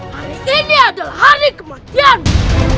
hari ini adalah hari kematian